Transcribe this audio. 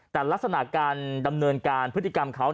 แต่ลักษณะการดำเนินการพฤติกรรมเขา